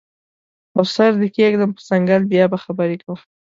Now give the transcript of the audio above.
او سر دې کیږدم په څنګل بیا به خبرې کوو